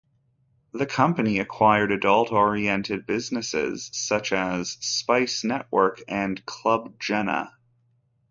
The company acquired adult-oriented businesses such as Spice Network and ClubJenna.